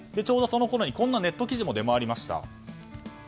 ちょうどそのころにこんなネット記事も出回りました。